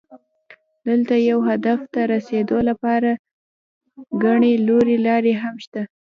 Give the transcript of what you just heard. دلته یو هدف ته رسېدو لپاره ګڼې نورې لارې هم شته.